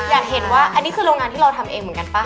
อยากเห็นว่าอันนี้คือโรงงานที่เราทำเองเหมือนกันป่ะ